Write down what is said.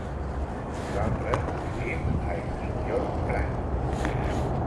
Nosaltres vivim a Es Migjorn Gran.